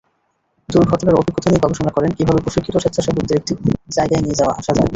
দুর্ঘটনার অভিজ্ঞতা নিয়ে গবেষণা করেন—কীভাবে প্রশিক্ষিত স্বেচ্ছাসেবকদের একটি জায়গায় নিয়ে আসা যায়।